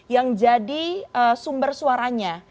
yang jadi sumber suaranya